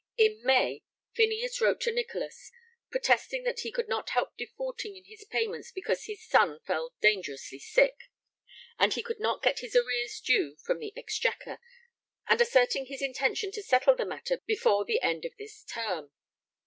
In May Phineas wrote to Nicholas protesting that he could not help defaulting in his payments because his son fell dangerously sick, and he could not get his arrears due from the Exchequer, and asserting his intention to settle the matter 'before the end of this term.'